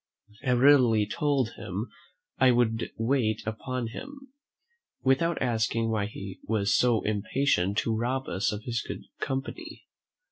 I readily told him "I would wait upon him" without asking why he was so impatient to rob us of his good company.